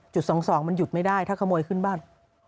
๒๒มันหยุดไม่ได้ถ้าขโมยขึ้นบ้าน